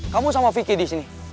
kamu sama vicky di sini